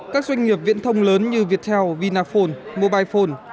các doanh nghiệp viễn thông lớn như viettel vinaphone mobifone